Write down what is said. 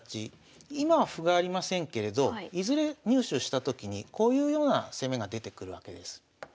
今は歩がありませんけれどいずれ入手したときにこういうような攻めが出てくるわけです。